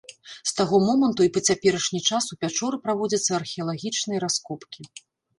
З таго моманту і па цяперашні час у пячоры праводзяцца археалагічныя раскопкі.